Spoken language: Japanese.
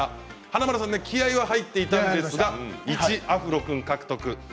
華丸さんは気合い入っていましたが１アフロ君、獲得。